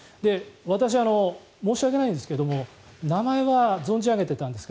私、申し訳ないんですけれども名前は存じ上げていたんですが